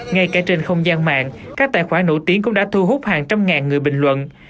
ngay cả trên không gian mạng các tài khoản nổi tiếng cũng đã thu hút hàng trăm ngàn người bình luận